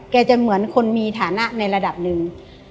จะเหมือนคนมีฐานะในระดับหนึ่ง